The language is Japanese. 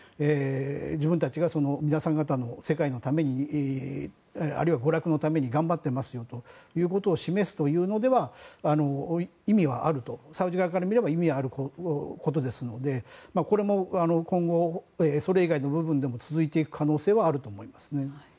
自分たちが世界のためにあるいは娯楽のために頑張っていますよということを示すというのではサウジアラビア側から見れば意味があることですのでこれも、今後それ以外の部分でも続いていく可能性はあると思いますね。